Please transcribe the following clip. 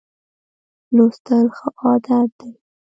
لوستل ښه عادت دی.